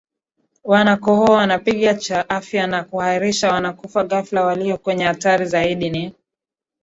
Wanakohoa wanapiga cha afya na kuharisha Wanakufa ghafla Walio kwenye hatari zaidi ni